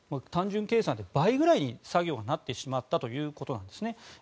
単純計算で倍ぐらいに作業がなってしまったということです。